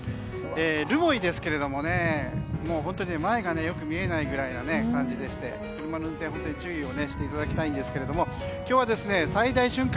留萌ですけども、本当に前がよく見えないぐらいの感じでして車の運転、本当に注意していただきたいんですが今日は最大瞬間